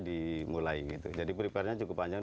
dimulai jadi preparenya cukup panjang